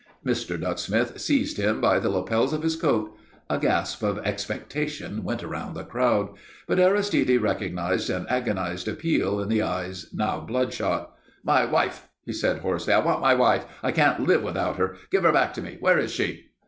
Mr. Ducksmith seized him by the lapels of his coat. A gasp of expectation went round the crowd. But Aristide recognized an agonized appeal in the eyes now bloodshot. "My wife!" he said hoarsely. "I want my wife. I can't live without her. Give her back to me. Where is she?"